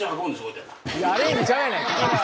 「いやアレンジちゃうやないか！」